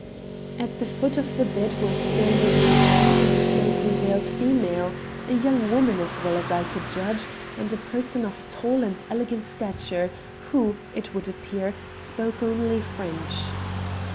"At the foot of the bed were standing Dubois and a closely veiled female a young woman, as well as I could judge, and a person of tall and elegant stature, who, it would appear, spoke only French.